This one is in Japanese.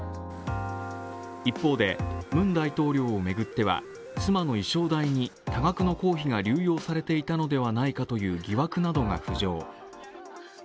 一方で、ムン大統領を巡っては、妻の衣装代に多額の公費が流用されていたのではないかという疑惑などが浮上。